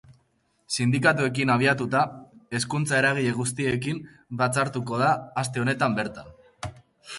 Sindikatuekin abiatuta, hezkuntza eragile guztiekin batzartuko da aste honetan bertan.